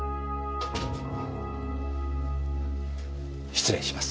失礼します。